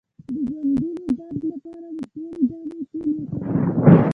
د بندونو درد لپاره د تورې دانې تېل وکاروئ